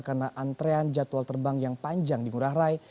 karena antrean jadwal terbang yang panjang di ngurah rai